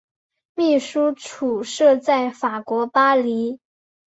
秘书处设在法国巴黎。